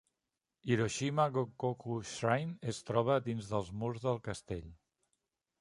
Hiroshima Gokoku Shrine es troba dins els murs del castell.